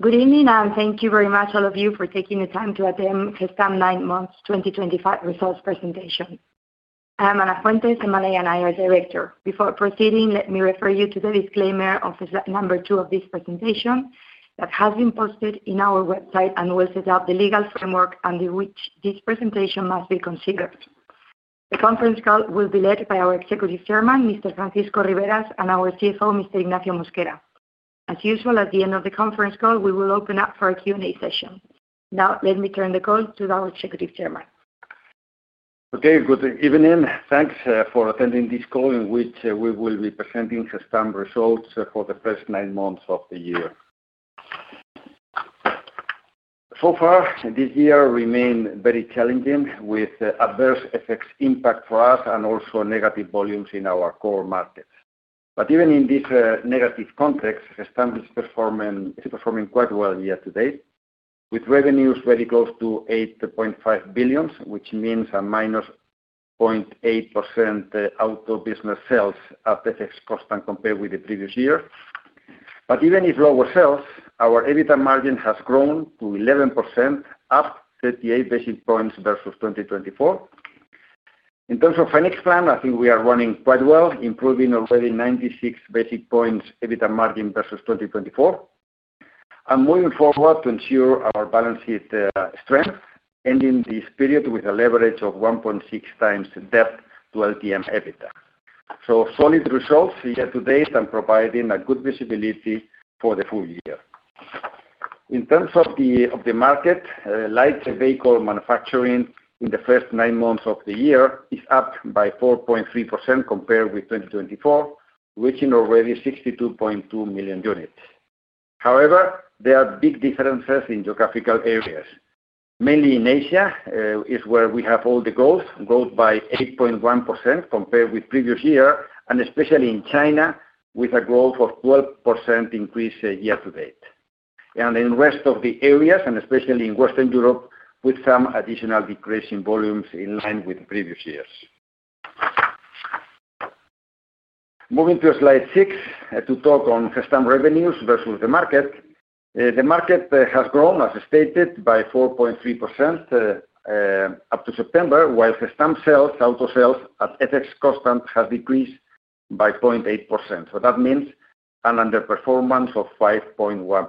Good evening and thank you very much, all of you, for taking the time to attend Gestamp nine months 2025 Results Presentation. I am Ana Fuentes, MRA, and I am your director. Before proceeding, let me refer you to the disclaimer of number two of this presentation that has been posted on our website and will set up the legal framework under which this presentation must be considered. The conference call will be led by our Executive Chairman, Mr. Francisco Riberas, and our CFO, Mr. Ignacio Mosquera. As usual, at the end of the conference call, we will open up for a Q&A session. Now, let me turn the call to our Executive Chairman. Okay, good evening. Thanks for attending this call in which we will be presenting Gestamp results for the first nine months of the year. So far, this year remains very challenging with adverse effects impact for us and also negative volumes in our core markets. But even in this negative context, Gestamp is performing quite well year to date, with revenues very close to 8.5 billion, which means a -0.8% organic sales after fixed costs compared with the previous year. But even with lower sales, our EBITDA margin has grown to 11%, up 38 basis points versus 2024. In terms of financial plan, I think we are running quite well, improving already 96 basis points EBITDA margin versus 2024. Moving forward to ensure our balance sheet strength, ending this period with a leverage of 1.6x debt to LTM EBITDA. Solid results year to date and providing good visibility for the full year. In terms of the market, light vehicle manufacturing in the first nine months of the year is up by 4.3% compared with 2024, reaching already 62.2 million units. However, there are big differences in geographical areas, mainly in Asia, where we have all the growth by 8.1% compared with the previous year, and especially in China, with a growth of 12% increase year to date. In the rest of the areas, and especially in Western Europe, with some additional decrease in volumes in line with the previous years. Moving to slide six to talk on Gestamp revenues versus the market. The market has grown, as stated, by 4.3% up to September, while Gestamp organic sales at FX Constant has decreased by 0.8%. That means an underperformance of 5.1%.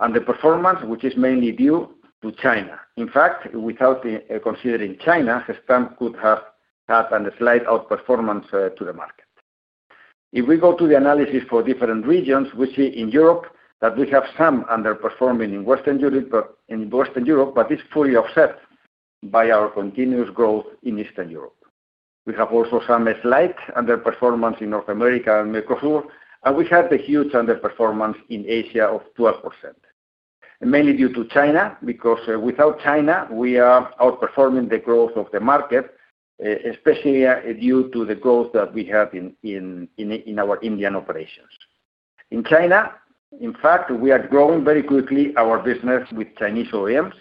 Underperformance, which is mainly due to China. In fact, without considering China, Gestamp could have had a slight outperformance to the market. If we go to the analysis for different regions, we see in Europe that we have some underperformance in Western Europe, but it's fully offset by our continuous growth in Eastern Europe. We have also some slight underperformance in North America and Mercosur, and we have the huge underperformance in Asia of 12%. Mainly due to China, because without China, we are outperforming the growth of the market. Especially due to the growth that we have in our Indian operations. In China, in fact, we are growing very quickly our business with Chinese OEMs.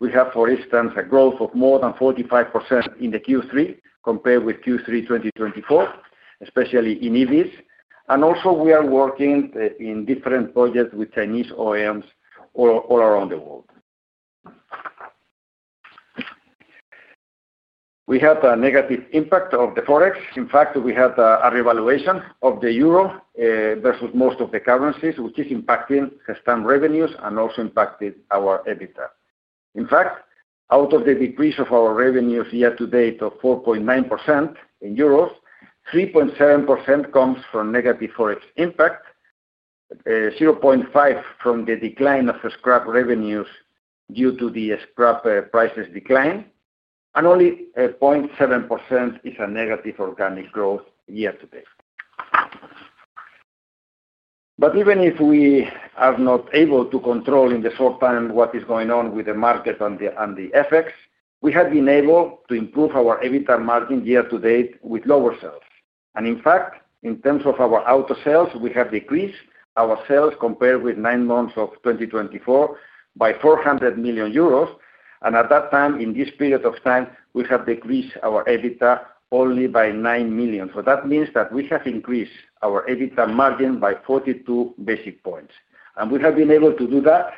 We have, for instance, a growth of more than 45% in the Q3 compared with Q3 2024, especially in EVs. Also, we are working in different projects with Chinese OEMs all around the world. We have a negative impact of the forex. In fact, we had a revaluation of the euro versus most of the currencies, which is impacting Gestamp revenues and also impacting our EBITDA. In fact, out of the decrease of our revenues year to date of 4.9% in euros, 3.7% comes from negative forex impact, 0.5% from the decline of Scrap Revenues due to the Scrap prices decline, and only 0.7% is a negative organic growth year to date. But even if we are not able to control in the short term what is going on with the market and the FX, we have been able to improve our EBITDA margin year to date with lower sales. And in fact, in terms of our out of sales, we have decreased our sales compared with nine months of 2024 by 400 million euros. And at that time, in this period of time, we have decreased our EBITDA only by 9 million. So that means that we have increased our EBITDA margin by 42 basis points. And we have been able to do that.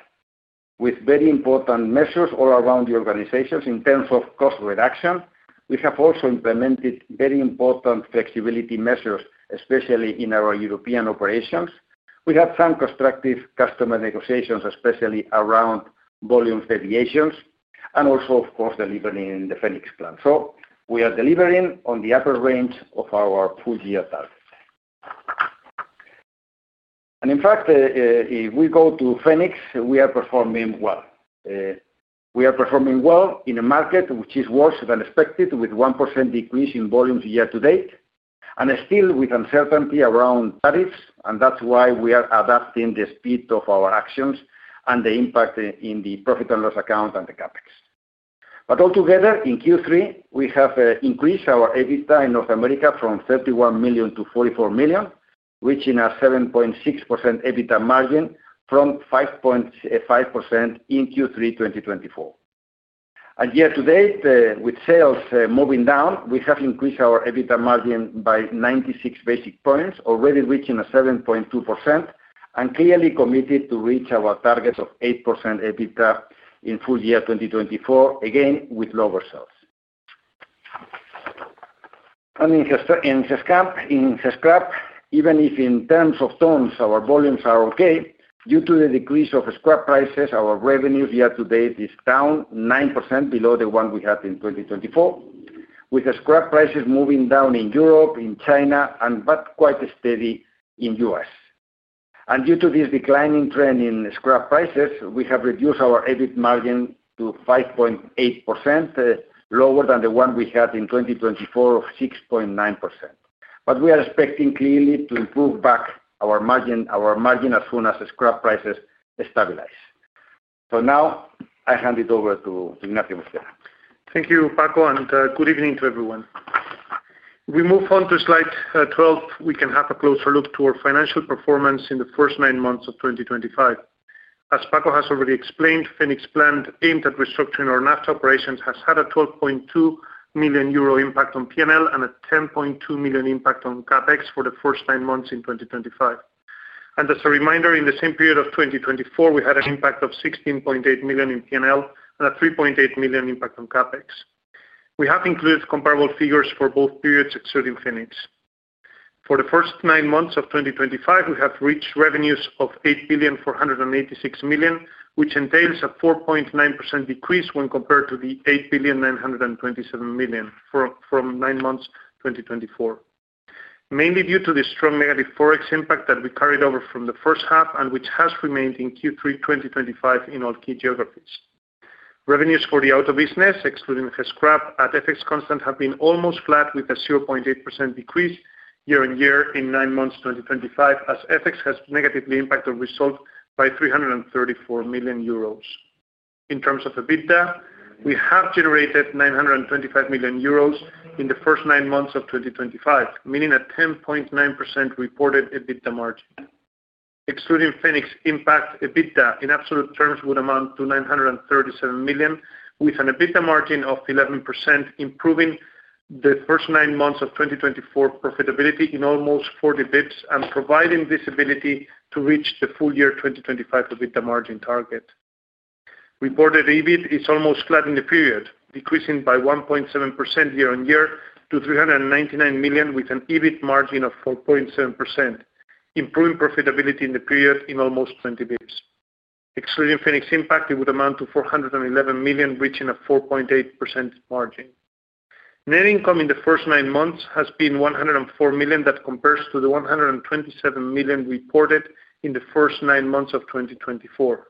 With very important measures all around the organizations in terms of cost reduction. We have also implemented very important flexibility measures, especially in our European operations. We have some constructive customer negotiations, especially around volume deviations, and also, of course, delivering in the Phoenix Plan. So we are delivering on the upper range of our full year target. And in fact, if we go to Phoenix, we are performing well. We are performing well in a market which is worse than expected, with a 1% decrease in volumes year to date, and still with uncertainty around tariffs. And that's why we are adapting the speed of our actions and the impact in the profit and loss account and the CapEx. But altogether, in Q3, we have increased our EBITDA in North America from 31 million to 44 million, reaching a 7.6% EBITDA margin from 5.5% in Q3 2024. And year to date, with sales moving down, we have increased our EBITDA margin by 96 basis points, already reaching 7.2%, and clearly committed to reach our target of 8% EBITDA in full year 2024, again with lower sales. And in Gestamp, even if in terms of tons, our volumes are okay, due to the decrease of Scrap prices, our revenues year to date is down 9% below the one we had in 2024, with Scrap prices moving down in Europe, in China, and but quite steady in the U.S. And due to this declining trend in Scrap prices, we have reduced our EBITDA margin to 5.8%. Lower than the one we had in 2024 of 6.9%. But we are expecting clearly to improve back our margin as soon as Scrap prices stabilize. So now, I hand it over to Ignacio Mosquera. Thank you, Paco, and good evening to everyone. We move on to slide 12. We can have a closer look to our financial performance in the first nine months of 2025. As Paco has already explained, Phoenix's plan aimed at restructuring our NAFTA operations has had a 12.2 million euro impact on P&L and a 10.2 million impact on CapEx for the first nine months in 2025. As a reminder, in the same period of 2024, we had an impact of 16.8 million in P&L and a 3.8 million impact on CapEx. We have included comparable figures for both periods, excluding Phoenix. For the first nine months of 2025, we have reached revenues of 8.486 billion, which entails a 4.9% decrease when compared to the 8.927 billion from nine months 2024. Mainly due to the strong negative forex impact that we carried over from the first half and which has remained in Q3 2025 in all key geographies. Revenues for the auto business, excluding Scrap at FX Constant, have been almost flat, with a 0.8% decrease year on year in nine months 2025, as FX has negatively impacted our result by 334 million euros. In terms of EBITDA, we have generated 925 million euros in the first nine months of 2025, meaning a 10.9% reported EBITDA margin. Excluding Phoenix, impact EBITDA in absolute terms would amount to 937 million, with an EBITDA margin of 11%, improving the first nine months of 2024 profitability in almost 40 basis points and providing visibility to reach the full year 2025 EBITDA margin target. Reported EBIT is almost flat in the period, decreasing by 1.7% year on year to 399 million, with an EBIT margin of 4.7%, improving profitability in the period in almost 20 basis points. Excluding Phoenix impact, it would amount to 411 million, reaching a 4.8% margin. Net income in the first nine months has been 104 million that compares to the 127 million reported in the first nine months of 2024.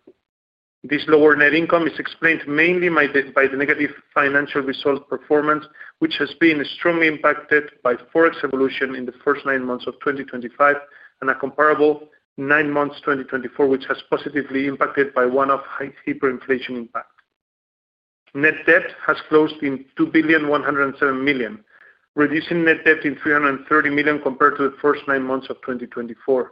This lower net income is explained mainly by the negative financial result performance, which has been strongly impacted by forex evolution in the first nine months of 2025 and a comparable nine months 2024, which has positively impacted by one-off hyperinflation impact. Net debt has closed in 2.107 billion, reducing net debt in 330 million compared to the first nine months of 2024.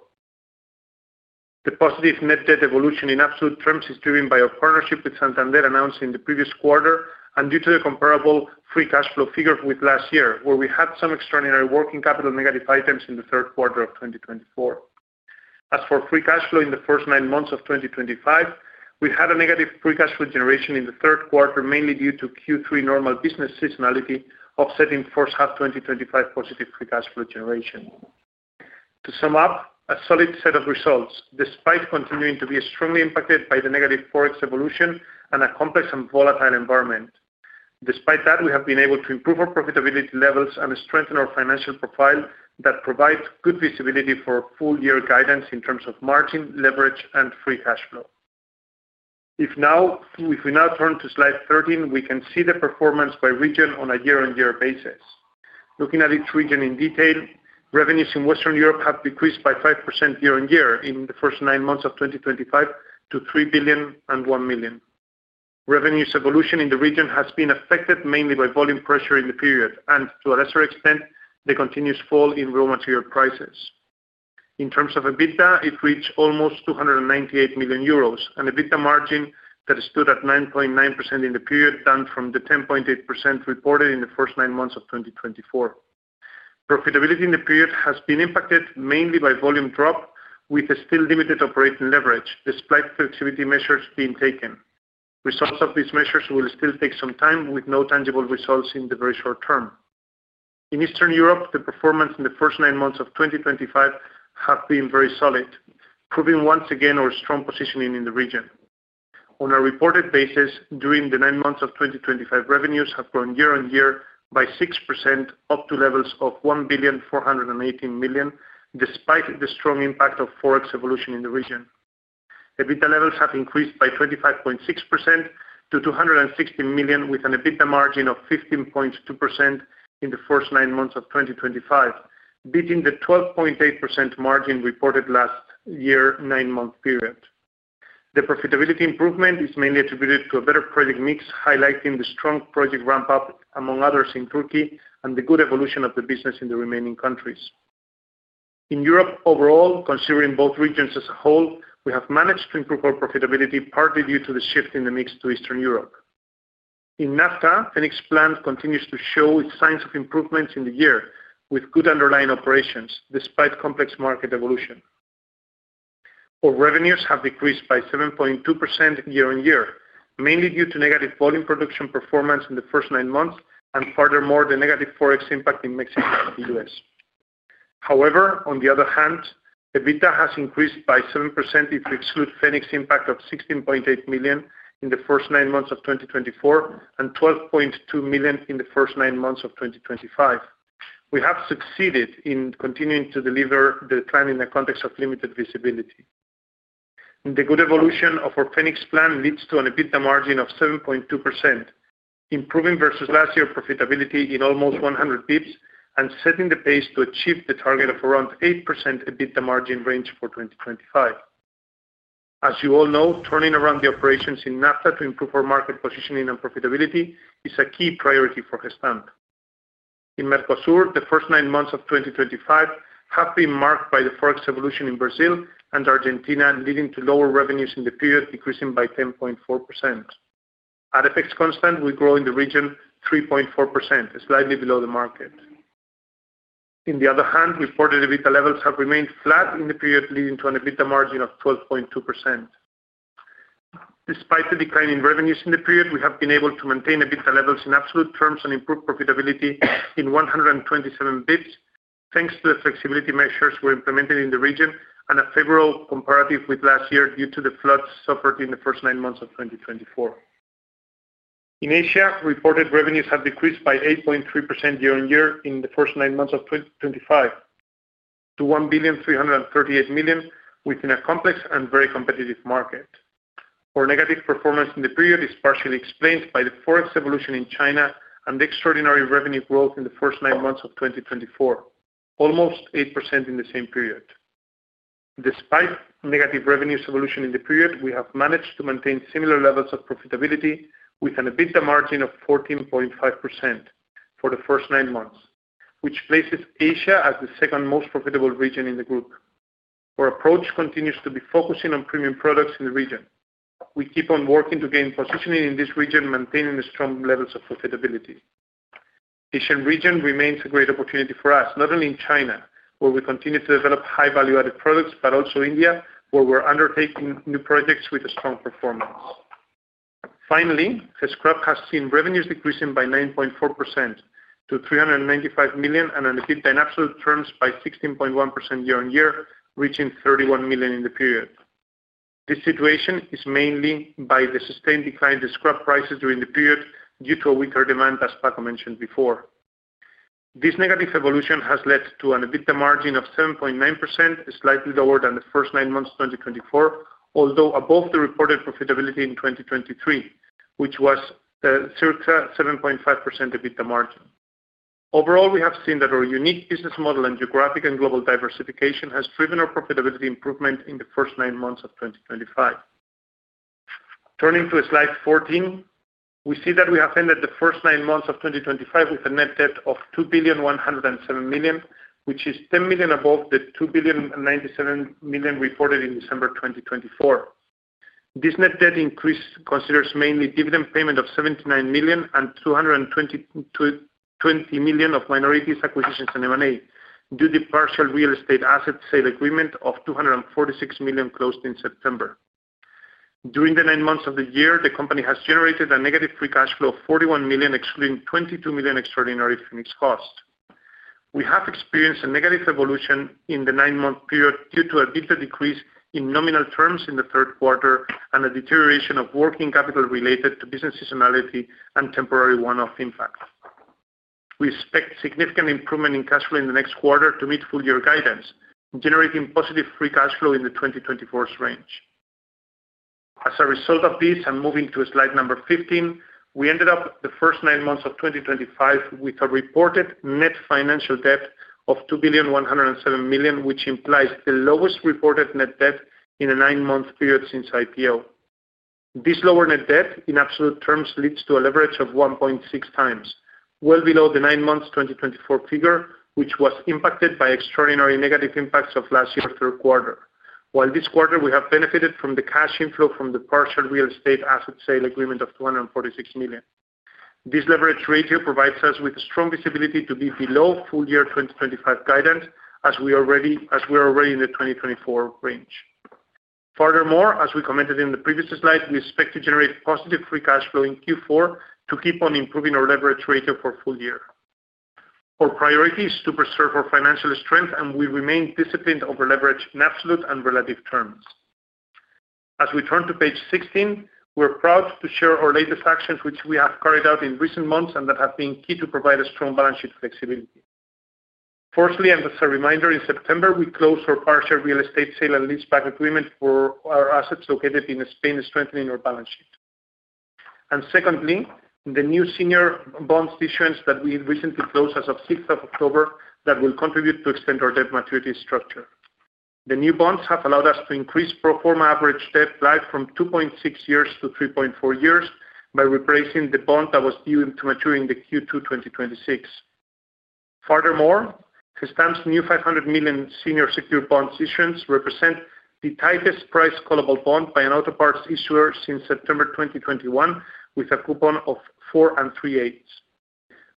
The positive net debt evolution in absolute terms is driven by our partnership with Santander announced in the previous quarter and due to the comparable free cash flow figure with last year, where we had some extraordinary working capital negative items in the third quarter of 2024. As for free cash flow in the first nine months of 2025, we had a negative free cash flow generation in the third quarter, mainly due to Q3 normal business seasonality, offsetting first half 2025 positive free cash flow generation. To sum up, a solid set of results, despite continuing to be strongly impacted by the negative forex evolution and a complex and volatile environment. Despite that, we have been able to improve our profitability levels and strengthen our financial profile that provides good visibility for full year guidance in terms of margin, leverage, and free cash flow. If we now turn to slide 13, we can see the performance by region on a year-on-year basis. Looking at each region in detail, revenues in Western Europe have decreased by 5% year on year in the first nine months of 2025 to 3.1 billion. Revenues evolution in the region has been affected mainly by volume pressure in the period and, to a lesser extent, the continuous fall in raw material prices. In terms of EBITDA, it reached almost 298 million euros, an EBITDA margin that stood at 9.9% in the period down from the 10.8% reported in the first nine months of 2024. Profitability in the period has been impacted mainly by volume drop with a still limited operating leverage, despite flexibility measures being taken. Results of these measures will still take some time with no tangible results in the very short term. In Eastern Europe, the performance in the first nine months of 2025 has been very solid, proving once again our strong positioning in the region. On a reported basis, during the nine months of 2025, revenues have grown year on year by 6% up to levels of 1.418 billion, despite the strong impact of forex evolution in the region. EBITDA levels have increased by 25.6% to 260 million, with an EBITDA margin of 15.2% in the first nine months of 2025, beating the 12.8% margin reported last year nine-month period. The profitability improvement is mainly attributed to a better project mix, highlighting the strong project ramp-up among others in Turkey and the good evolution of the business in the remaining countries. In Europe overall, considering both regions as a whole, we have managed to improve our profitability partly due to the shift in the mix to Eastern Europe. In NAFTA, Phoenix Plan continues to show signs of improvements in the year, with good underlying operations, despite complex market evolution. Our revenues have decreased by 7.2% year on year, mainly due to negative volume production performance in the first nine months and, furthermore, the negative forex impact in Mexico and the U.S. However, on the other hand, EBITDA has increased by 7% if we exclude Phoenix impact of 16.8 million in the first nine months of 2024 and 12.2 million in the first nine months of 2025. We have succeeded in continuing to deliver the plan in the context of limited visibility. The good evolution of our Phoenix Plan leads to an EBITDA margin of 7.2%. Improving versus last year profitability in almost 100 basis points and setting the pace to achieve the target of around 8% EBITDA margin range for 2025. As you all know, turning around the operations in NAFTA to improve our market positioning and profitability is a key priority for Gestamp. In Mercosur, the first nine months of 2025 have been marked by the forex evolution in Brazil and Argentina, leading to lower revenues in the period, decreasing by 10.4%. At FX Constant, we grow in the region 3.4%, slightly below the market. On the other hand, reported EBITDA levels have remained flat in the period, leading to an EBITDA margin of 12.2%. Despite the decline in revenues in the period, we have been able to maintain EBITDA levels in absolute terms and improve profitability in 127 basis points, thanks to the flexibility measures we implemented in the region and a favorable comparative with last year due to the floods suffered in the first nine months of 2024. In Asia, reported revenues have decreased by 8.3% year on year in the first nine months of 2025 to 1.338 billion, within a complex and very competitive market. Our negative performance in the period is partially explained by the forex evolution in China and the extraordinary revenue growth in the first nine months of 2024, almost 8% in the same period. Despite negative revenue evolution in the period, we have managed to maintain similar levels of profitability with an EBITDA margin of 14.5% for the first nine months, which places Asia as the second most profitable region in the group. Our approach continues to be focusing on premium products in the region. We keep on working to gain positioning in this region, maintaining strong levels of profitability. The Asian region remains a great opportunity for us, not only in China, where we continue to develop high-value-added products, but also India, where we're undertaking new projects with strong performance. Finally, Scrap has seen revenues decreasing by 9.4% to 395 million and an EBITDA in absolute terms by 16.1% year on year, reaching 31 million in the period. This situation is mainly by the sustained decline in Scrap prices during the period due to weaker demand, as Paco mentioned before. This negative evolution has led to an EBITDA margin of 7.9%, slightly lower than the first nine months of 2024, although above the reported profitability in 2023, which was circa 7.5% EBITDA margin. Overall, we have seen that our unique business model and geographic and global diversification has driven our profitability improvement in the first nine months of 2025. Turning to slide 14, we see that we have ended the first nine months of 2025 with a net debt of 2.107 billion, which is 10 million above the 2.097 billion reported in December 2024. This net debt increase considers mainly dividend payment of 79 million and 220 million of minorities acquisitions and M&A due to partial real estate asset sale agreement of 246 million closed in September. During the nine months of the year, the company has generated a negative free cash flow of 41 million, excluding 22 million extraordinary Phoenix costs. We have experienced a negative evolution in the nine-month period due to a bigger decrease in nominal terms in the third quarter and a deterioration of working capital related to business seasonality and temporary one-off impact. We expect significant improvement in cash flow in the next quarter to meet full year guidance, generating positive free cash flow in the 2024 range. As a result of this, and moving to slide number 15, we ended up the first nine months of 2025 with a reported net financial debt of 2.107 billion, which implies the lowest reported net debt in a nine-month period since IPO. This lower net debt in absolute terms leads to a leverage of 1.6 times, well below the nine-month 2024 figure, which was impacted by extraordinary negative impacts of last year's third quarter. While this quarter, we have benefited from the cash inflow from the partial real estate asset sale agreement of 246 million. This leverage ratio provides us with strong visibility to be below full year 2025 guidance as we are already in the 2024 range. Furthermore, as we commented in the previous slide, we expect to generate positive free cash flow in Q4 to keep on improving our leverage ratio for full year. Our priority is to preserve our financial strength, and we remain disciplined over leverage in absolute and relative terms. As we turn to page 16, we're proud to share our latest actions, which we have carried out in recent months and that have been key to provide a strong balance sheet flexibility. Firstly, and as a reminder, in September, we closed our partial real estate Sale and Lease-Back agreement for our assets located in Spain, strengthening our balance sheet. And secondly, the new senior bonds issuance that we recently closed as of 6th of October will contribute to extend our debt maturity structure. The new bonds have allowed us to increase pro forma average debt life from 2.6 years to 3.4 years by replacing the bond that was due to mature in the Q2 2026. Furthermore, Gestamp's new 500 million Senior Secured Bonds issuance represents the tightest price-callable bond by an auto parts issuer since September 2021, with a coupon of 4.375%.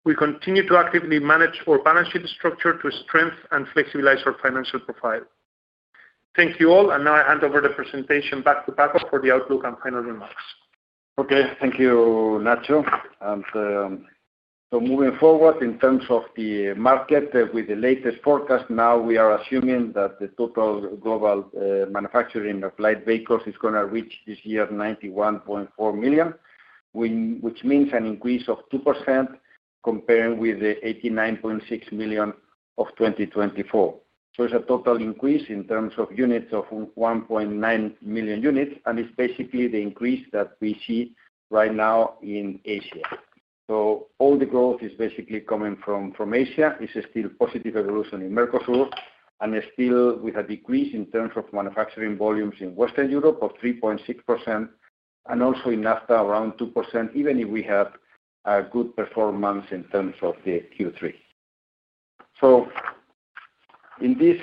We continue to actively manage our balance sheet structure to strengthen and flexibilize our financial profile. Thank you all, and now I hand over the presentation back to Paco for the outlook and final remarks. Okay, thank you, Nacho. And so moving forward in terms of the market with the latest forecast, now we are assuming that the total global manufacturing of light vehicles is going to reach this year 91.4 million, which means an increase of 2% compared with the 89.6 million of 2024. So it's a total increase in terms of units of 1.9 million units, and it's basically the increase that we see right now in Asia. So all the growth is basically coming from Asia. It's still positive evolution in Mercosur and still with a decrease in terms of manufacturing volumes in Western Europe of 3.6%, and also in NAFTA around 2%, even if we have good performance in terms of the Q3. So in this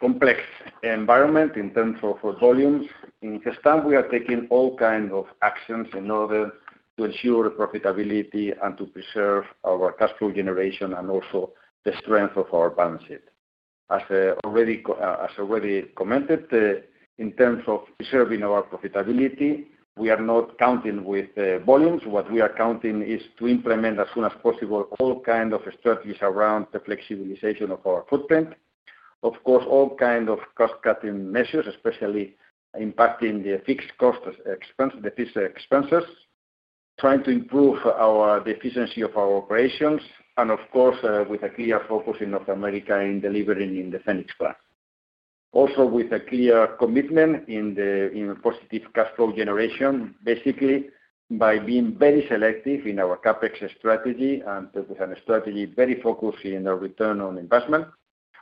complex environment in terms of volumes in Gestamp, we are taking all kinds of actions in order to ensure profitability and to preserve our cash flow generation and also the strength of our balance sheet. As already commented, in terms of preserving our profitability, we are not counting with volumes. What we are counting is to implement as soon as possible all kinds of strategies around the flexibilization of our footprint. Of course, all kinds of cost-cutting measures, especially impacting the fixed cost expenses, trying to improve our efficiency of our operations, and of course, with a clear focus in North America in delivering in the Phoenix Plan. Also, with a clear commitment in positive cash flow generation, basically by being very selective in our CapEx strategy and with a strategy very focused on our return on investment,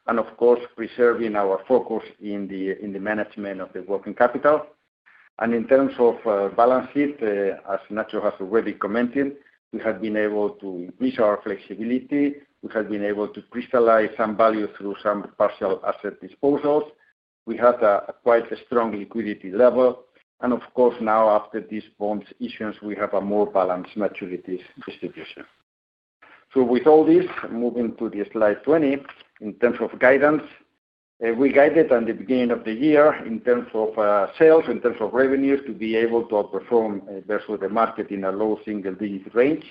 and of course, preserving our focus in the management of the working capital. And in terms of balance sheet, as Nacho has already commented, we have been able to increase our flexibility. We have been able to crystallize some value through some partial asset disposals. We had a quite strong liquidity level, and of course, now after these bond issuance, we have a more balanced maturity distribution. So with all this, moving to the slide 20, in terms of guidance. We guided at the beginning of the year in terms of sales, in terms of revenues, to be able to outperform versus the market in a low single-digit range.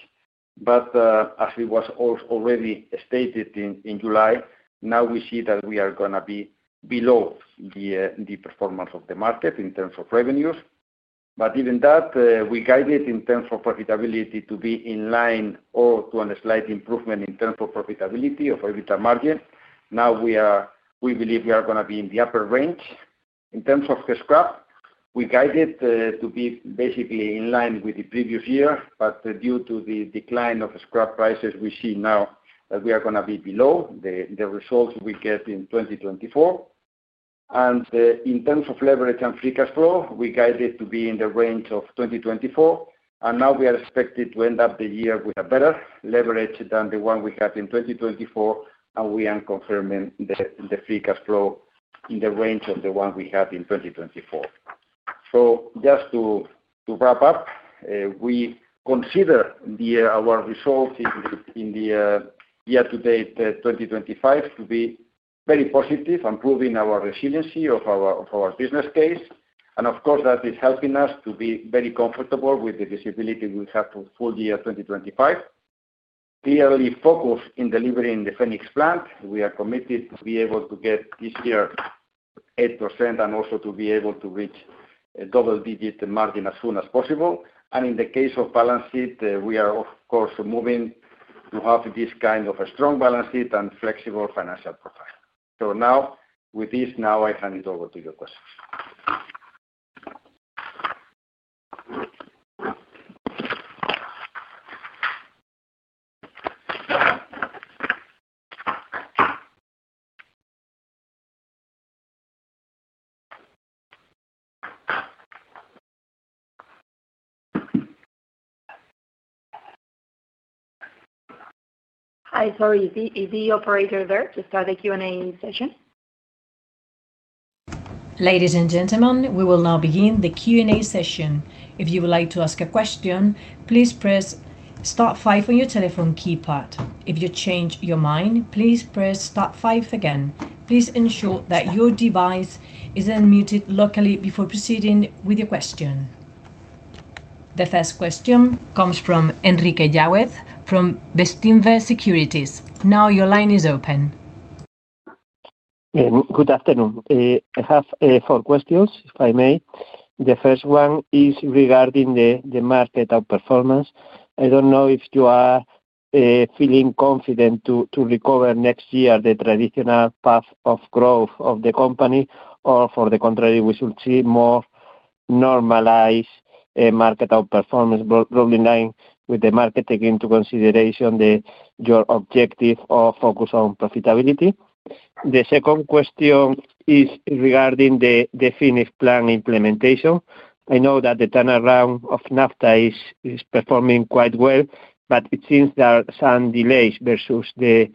But as it was already stated in July, now we see that we are going to be below the performance of the market in terms of revenues. But even that, we guided in terms of profitability to be in line or to a slight improvement in terms of profitability of our EBITDA margin. Now we believe we are going to be in the upper range. In terms of Scrap, we guided to be basically in line with the previous year, but due to the decline of Scrap prices, we see now that we are going to be below the results we get in 2024. And in terms of leverage and free cash flow, we guided to be in the range of 2024, and now we are expected to end up the year with a better leverage than the one we had in 2024, and we are confirming the free cash flow in the range of the one we had in 2024. So just to wrap up. We consider our results in the year-to-date 2025 to be very positive, improving our resiliency of our business case, and of course, that is helping us to be very comfortable with the visibility we have for full year 2025. Clearly focused in delivering the Phoenix Plan, we are committed to be able to get this year 8% and also to be able to reach a double-digit margin as soon as possible. In the case of balance sheet, we are, of course, moving to have this kind of a strong balance sheet and flexible financial profile. So now, with this, now I hand it over to your questions. Hi, sorry, is the operator there to start the Q&A session? Ladies and gentlemen, we will now begin the Q&A session. If you would like to ask a question, please press star five on your telephone keypad. If you change your mind, please press star five again. Please ensure that your device is unmuted locally before proceeding with your question. The first question comes from Enrique Yaguez from Bestinver Securities. Now your line is open. Good afternoon. I have four questions, if I may. The first one is regarding the market outperformance.I don't know if you are feeling confident to recover next year the traditional path of growth of the company, or for the contrary, we should see more normalized market outperformance, probably in line with the market taking into consideration your objective of focus on profitability. The second question is regarding the Phoenix Plan implementation. I know that the turnaround of NAFTA is performing quite well, but it seems there are some delays versus the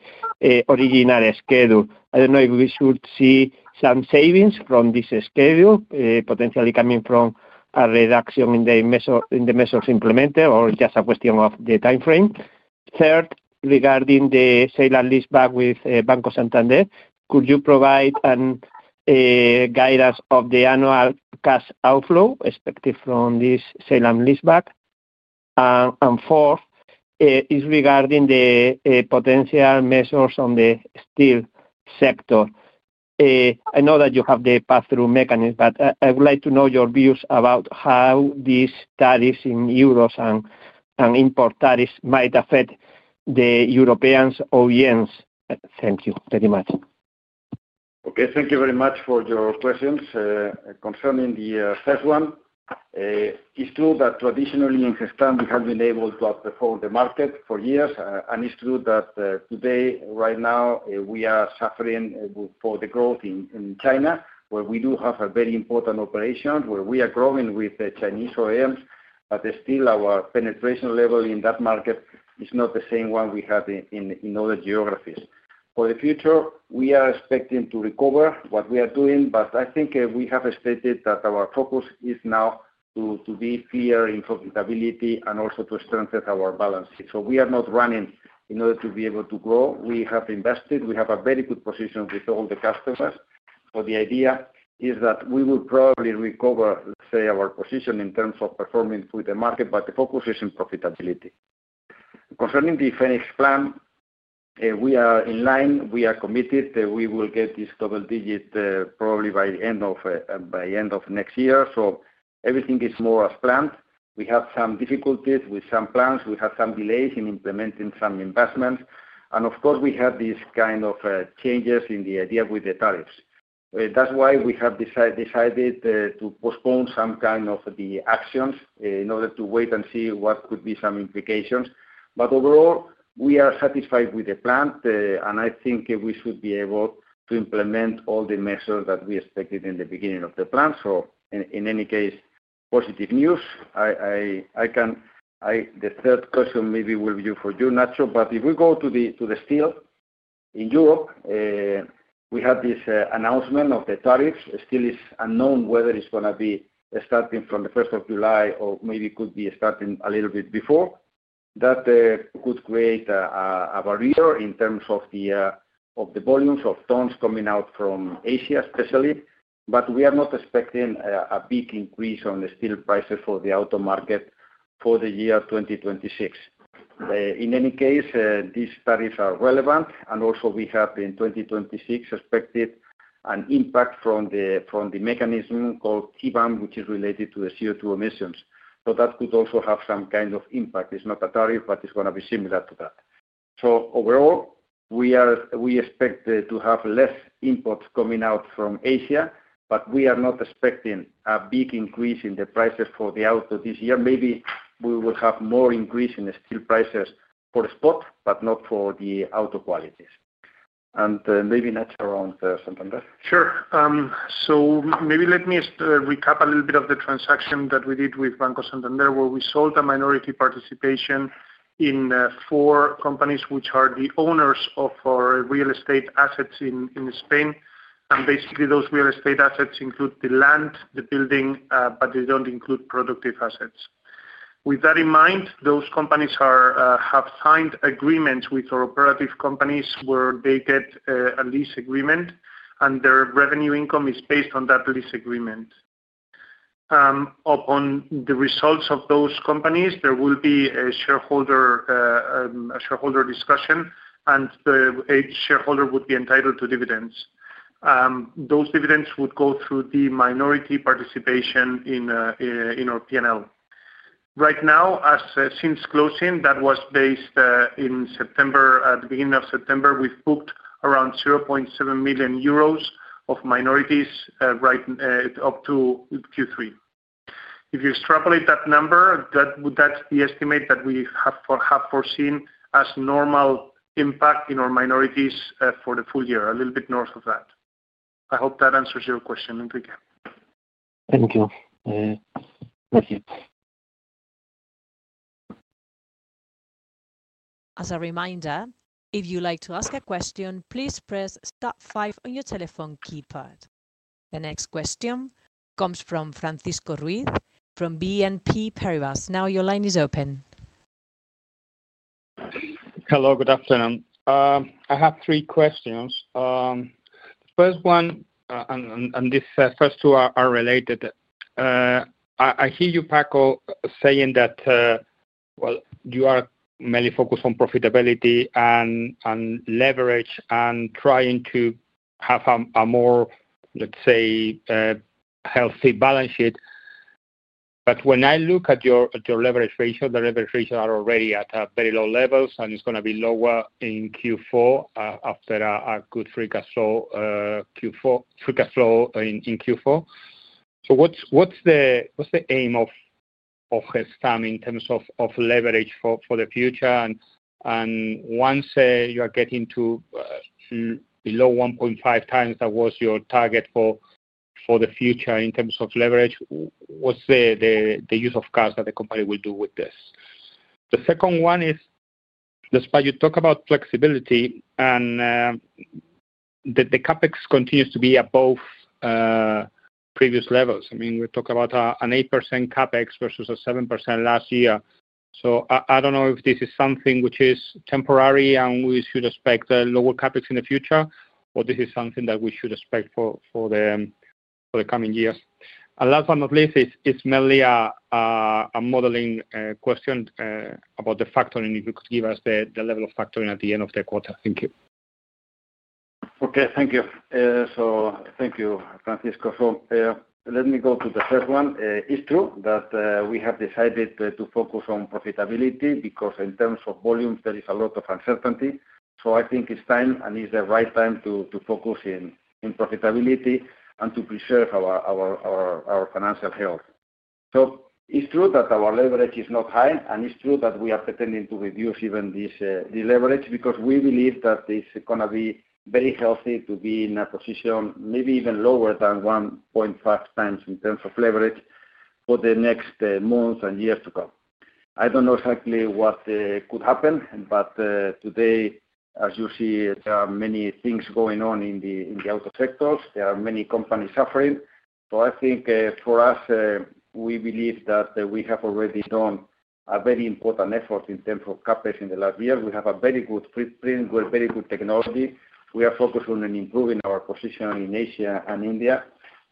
original schedule. I don't know if we should see some savings from this schedule, potentially coming from a reduction in the measures implemented or just a question of the time frame. Third, regarding the Sale and Lease-Back with Banco Santander, could you provide any guidance of the annual cash outflow expected from this Sale and Lease-Back? And fourth is regarding the potential measures on the steel sector. I know that you have the Pass-Through Mechanism, but I would like to know your views about how these tariffs on steel and import tariffs might affect the European OEMs or JVs. Thank you very much. Okay, thank you very much for your questions. Concerning the first one. It's true that traditionally in Gestamp, we have been able to outperform the market for years, and it's true that today, right now, we are suffering for the growth in China, where we do have a very important operation, where we are growing with Chinese OEMs, but still our penetration level in that market is not the same one we had in other geographies. For the future, we are expecting to recover what we are doing, but I think we have stated that our focus is now to be clear in profitability and also to strengthen our balance sheet. So we are not running in order to be able to grow. We have invested. We have a very good position with all the customers, but the idea is that we will probably recover, say, our position in terms of performing with the market, but the focus is in profitability. Concerning the Phoenix Plan. We are in line. We are committed. We will get this double-digit probably by the end of next year. So everything is more as planned. We have some difficulties with some plans. We have some delays in implementing some investments. And of course, we had these kinds of changes in the idea with the tariffs. That's why we have decided to postpone some kind of the actions in order to wait and see what could be some implications. But overall, we are satisfied with the plan, and I think we should be able to implement all the measures that we expected in the beginning of the plan. So in any case, positive news. The third question maybe will be for you, Nacho, but if we go to the steel in Europe. We had this announcement of the tariffs. Still, it's unknown whether it's going to be starting from the 1st of July or maybe could be starting a little bit before. That could create a barrier in terms of the volumes of tons coming out from Asia, especially. But we are not expecting a big increase on the steel prices for the auto market for the year 2026. In any case, these tariffs are relevant, and also we have in 2026 expected an impact from the mechanism called CBAM, which is related to the CO2 emissions. So that could also have some kind of impact. It's not a tariff, but it's going to be similar to that. So overall, we expect to have less imports coming out from Asia, but we are not expecting a big increase in the prices for the auto this year. Maybe we will have more increase in the steel prices for the spot, but not for the auto qualities. And maybe next round, Santander. Sure. So maybe let me recap a little bit of the transaction that we did with Banco Santander, where we sold a minority participation in four companies which are the owners of our real estate assets in Spain. And basically, those real estate assets include the land, the building, but they don't include productive assets. With that in mind, those companies have signed agreements with our operative companies where they get a lease agreement, and their revenue income is based on that lease agreement. Upon the results of those companies, there will be a shareholder discussion, and the shareholder would be entitled to dividends. Those dividends would go through the minority participation in our P&L. Right now, since closing, that was based in September, at the beginning of September, we've booked around 0.7 million euros of minorities. Up to Q3. If you extrapolate that number, that's the estimate that we have foreseen as normal impact in our minorities for the full year, a little bit north of that. I hope that answers your question, Enrique. Thank you. Thank you. As a reminder, if you'd like to ask a question, please press star five on your telephone keypad. The next question comes from Francisco Ruiz from BNP Paribas. Now your line is open. Hello, good afternoon. I have three questions. The first one, and these first two are related. I hear you, Paco, saying that. Well, you are mainly focused on profitability and leverage and trying to have a more, let's say, healthy balance sheet. But when I look at your leverage ratio, the leverage ratios are already at very low levels, and it's going to be lower in Q4 after a good free cash flow. So what's the aim of Gestamp in terms of leverage for the future? And once you are getting to below 1.5x, that was your target for the future in terms of leverage, what's the use of cash that the company will do with this? The second one is despite you talk about flexibility, and the CapEx continues to be above previous levels. I mean, we talk about an 8% CapEx versus a 7% last year. So I don't know if this is something which is temporary and we should expect a lower CapEx in the future, or this is something that we should expect for the coming years. And last but not least, it's mainly a modeling question about the factoring, if you could give us the level of factoring at the end of the quarter. Thank you. Okay, thank you. So thank you, Francisco. So let me go to the first one. It's true that we have decided to focus on profitability because in terms of volumes, there is a lot of uncertainty. So I think it's time, and it's the right time to focus on profitability and to preserve our financial health. So it's true that our leverage is not high, and it's true that we are planning to reduce even this leverage because we believe that it's going to be very healthy to be in a position, maybe even lower than 1.5x in terms of leverage for the next months and years to come. I don't know exactly what could happen, but today, as you see, there are many things going on in the auto sector. There are many companies suffering. So I think for us, we believe that we have already done a very important effort in terms of CapEx in the last year. We have a very good footprint. We have very good technology. We are focused on improving our position in Asia and India.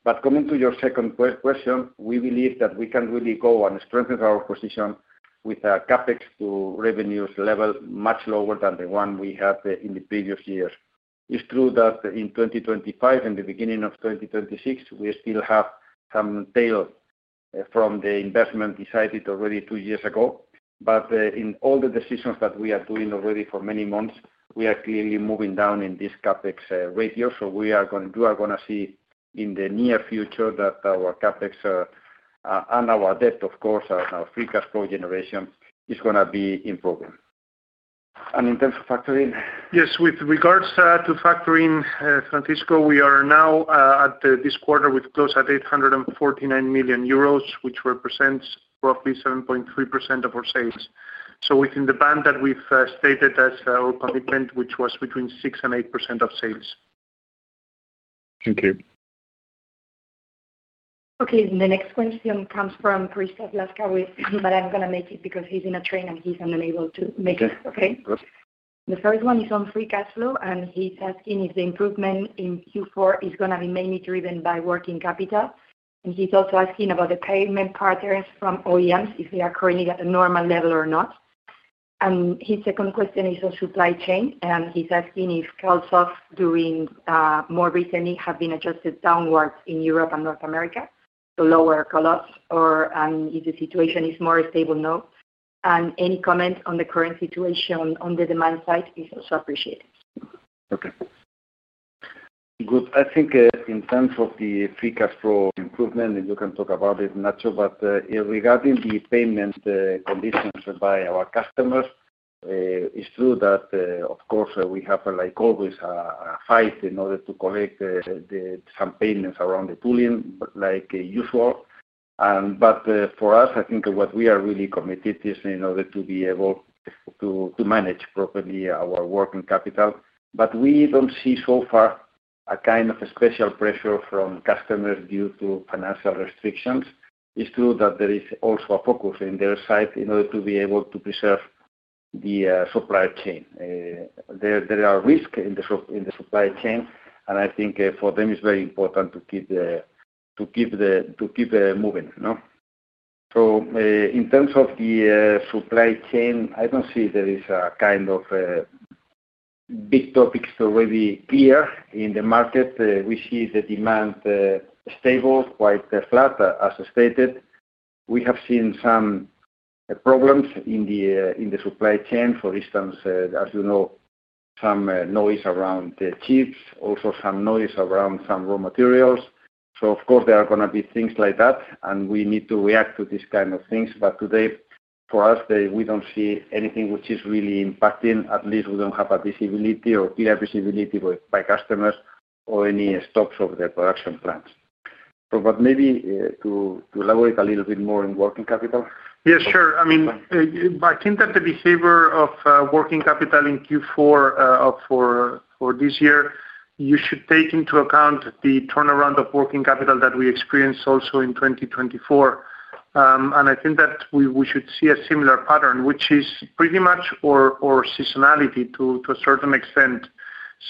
But coming to your second question, we believe that we can really go and strengthen our position with a CapEx to revenues level much lower than the one we had in the previous years. It's true that in 2025, in the beginning of 2026, we still have some tail from the investment decided already two years ago. But in all the decisions that we are doing already for many months, we are clearly moving down in this CapEx ratio. So we are going to see in the near future that our CapEx, and our debt, of course, and our free cash flow generation is going to be improving. And in terms of factoring? Yes, with regards to factoring, Francisco, we are now at this quarter with close to 849 million euros, which represents roughly 7.3% of our sales. So within the band that we've stated as our commitment, which was between 6%-8% of sales. Thank you. Okay, the next question comes from Christopher Laskiewicz, but I'm going to make it because he's in a train and he's unable to make it. Okay? The first one is on free cash flow, and he's asking if the improvement in Q4 is going to be mainly driven by working capital. And he's also asking about the payment patterns from OEMs, if they are currently at a normal level or not. And his second question is on supply chain, and he's asking if costs of doing more recently have been adjusted downwards in Europe and North America, so lower costs, and if the situation is more stable now. And any comment on the current situation on the demand side is also appreciated. Okay. Good. I think in terms of the free cash flow improvement, you can talk about it, Nacho, but regarding the payment conditions by our customers. It's true that, of course, we have, like always, a fight in order to collect. Some payments around the tooling like usual. But for us, I think what we are really committed to is in order to be able to manage properly our working capital. But we don't see so far a kind of special pressure from customers due to financial restrictions. It's true that there is also a focus on their side in order to be able to preserve the supply chain. There are risks in the supply chain, and I think for them it's very important to keep the moving. So in terms of the supply chain, I don't see there is a kind of big topic to really clear in the market. We see the demand stable, quite flat, as stated. We have seen some problems in the supply chain. For instance, as you know, some noise around the chips, also some noise around some raw materials. So of course, there are going to be things like that, and we need to react to these kinds of things. But today, for us, we don't see anything which is really impacting. At least we don't have a visibility or clear visibility by customers or any stops of the production plants. But maybe to elaborate a little bit more in working capital. Yeah, sure. I mean. I think that the behavior of working capital in Q4 for. This year, you should take into account the turnaround of working capital that we experienced also in 2024. And I think that we should see a similar pattern, which is pretty much our seasonality to a certain extent.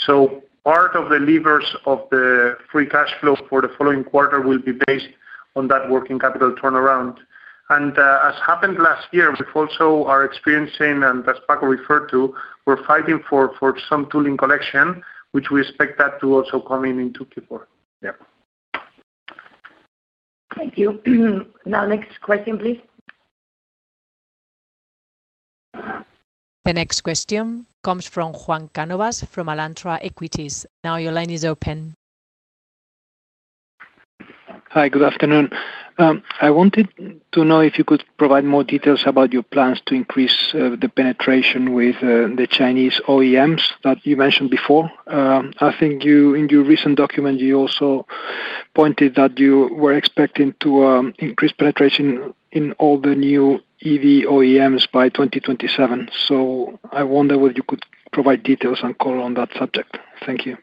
So part of the levers of the free cash flow for the following quarter will be based on that working capital turnaround. And as happened last year, we also are experiencing, and as Paco referred to, we're fighting for some tooling collection, which we expect that to also come in in Q4. Yeah. Thank you. Now, next question, please. The next question comes from Juan Cánovas from Alantra Equities. Now your line is open. Hi, good afternoon. I wanted to know if you could provide more details about your plans to increase the penetration with the Chinese OEMs that you mentioned before. I think in your recent document, you also pointed that you were expecting to increase penetration in all the new EV OEMs by 2027. So I wonder whether you could provide details and call on that subject. Thank you.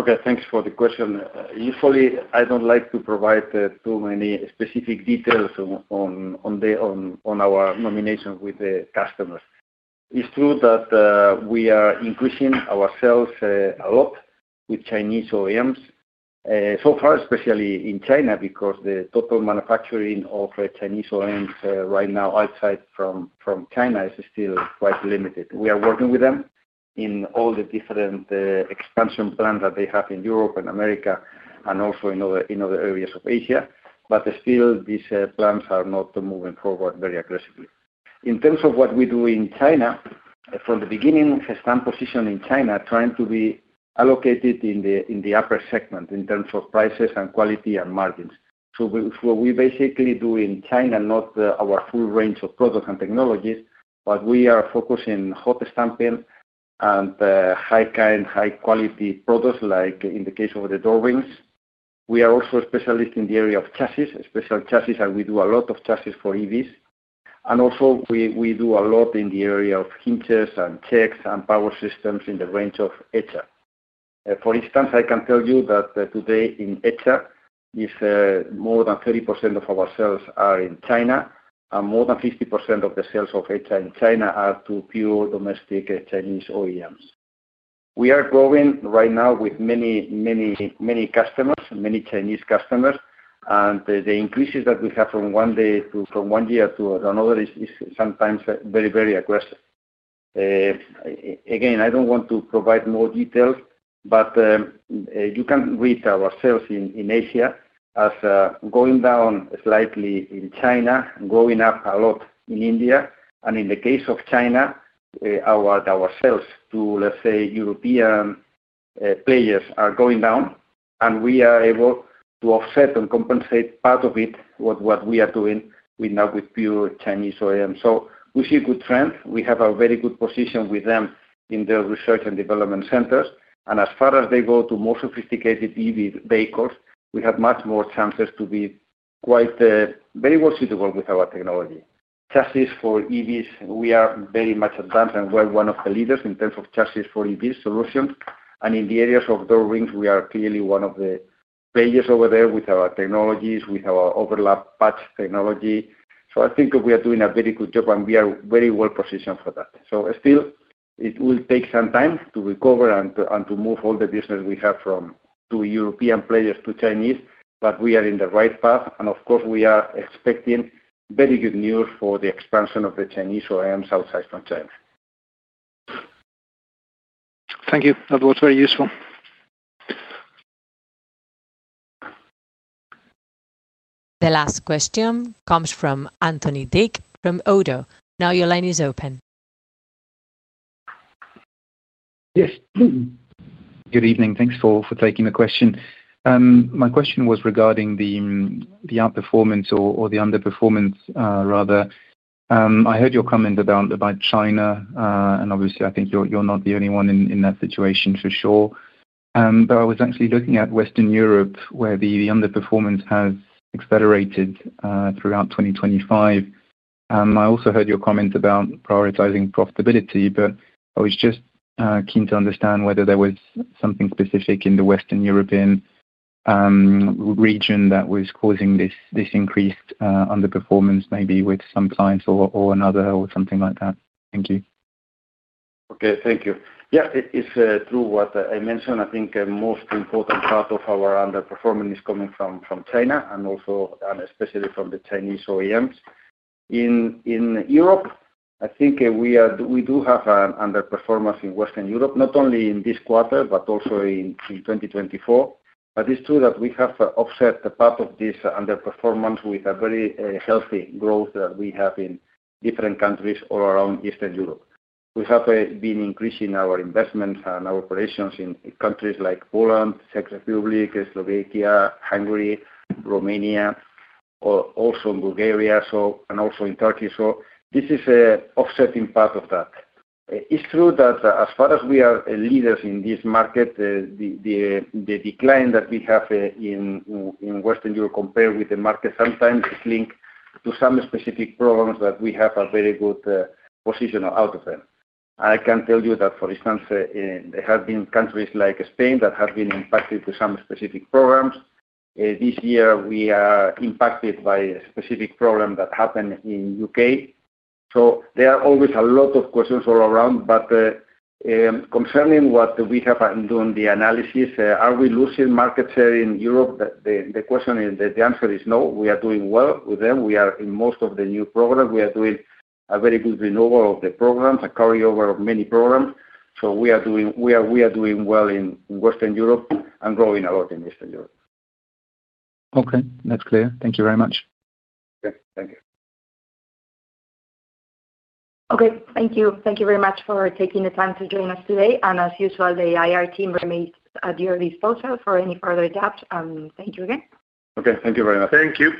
Okay, thanks for the question. Usually, I don't like to provide too many specific details on. Our nomination with the customers. It's true that we are increasing our sales a lot with Chinese OEMs. So far, especially in China, because the total manufacturing of Chinese OEMs right now outside from China is still quite limited. We are working with them in all the different. Expansion plans that they have in Europe and America and also in other areas of Asia. But still, these plans are not moving forward very aggressively. In terms of what we do in China, from the beginning, Gestamp's position in China is trying to be allocated in the upper segment in terms of prices and quality and margins. So what we basically do in China, not our full range of products and technologies, but we are focusing on Hot Stamping and high quality products, like in the case of the Door Rings. We are also specialists in the area of chassis, special chassis, and we do a lot of Chassis for EVs. And also, we do a lot in the area of Hinges and Checks and power systems in the range of ETA. For instance, I can tell you that today in ETA, more than 30% of our sales are in China, and more than 50% of the sales of ETA in China are to pure domestic Chinese OEMs. We are growing right now with many. Customers, many Chinese customers, and the increases that we have from one year to another are sometimes very, very aggressive. Again, I don't want to provide more details, but. You can read our sales in Asia as going down slightly in China, growing up a lot in India. And in the case of China, our sales to, let's say, European players are going down, and we are able to offset and compensate part of it with what we are doing now with pure Chinese OEMs. So we see a good trend. We have a very good position with them in their research and development centers. And as far as they go to more sophisticated EV vehicles, we have much more chances to be quite very well suitable with our technology. Chassis for EVs, we are very much advanced, and we're one of the leaders in terms of chassis for EV solutions. And in the areas of Door Rings, we are clearly one of the players over there with our technologies, with our Overlap Patch Technology. So I think we are doing a very good job, and we are very well positioned for that. So still, it will take some time to recover and to move all the business we have from European players to Chinese, but we are in the right path. And of course, we are expecting very good news for the expansion of the Chinese OEMs outside from China. Thank you. That was very useful. The last question comes from Anthony Dick from ODDO. Now your line is open. Yes. Good evening. Thanks for taking the question. My question was regarding the outperformance or the underperformance, rather. I heard your comment about China, and obviously, I think you're not the only one in that situation for sure. But I was actually looking at Western Europe, where the underperformance has accelerated throughout 2025. I also heard your comment about prioritizing profitability, but I was just keen to understand whether there was something specific in the Western European region that was causing this increased underperformance, maybe with some clients or another or something like that. Thank you. Okay, thank you. Yeah, it's true what I mentioned. I think the most important part of our underperformance is coming from China and especially from the Chinese OEMs. In Europe, I think we do have an underperformance in Western Europe, not only in this quarter but also in 2024. But it's true that we have offset part of this underperformance with a very healthy growth that we have in different countries all around Eastern Europe. We have been increasing our investments and our operations in countries like Poland, Czech Republic, Slovakia, Hungary, Romania. Also in Bulgaria, and also in Turkey. So this is an offsetting part of that. It's true that as far as we are leaders in this market, the decline that we have in Western Europe compared with the market sometimes is linked to some specific problems that we have a very good position out of them. I can tell you that, for instance, there have been countries like Spain that have been impacted by some specific programs. This year, we are impacted by a specific problem that happened in the U.K. So there are always a lot of questions all around. But, concerning what we have been doing, the analysis, are we losing market share in Europe? The answer is no. We are doing well with them. In most of the new programs, we are doing a very good renewal of the programs, a carryover of many programs. So we are doing well in Western Europe and growing a lot in Eastern Europe. Okay, that's clear. Thank you very much. Okay, thank you. Okay, thank you. Thank you very much for taking the time to join us today, and as usual, the IR team remains at your disposal for any further questions. And thank you again. Okay, thank you very much. Thank you.